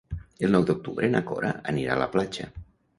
El nou d'octubre na Cora anirà a la platja.